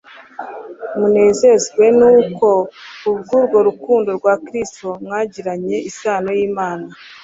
Munezezwe nuko kubw'urukundo rwa Kristo mwagiranye isano n'Imana,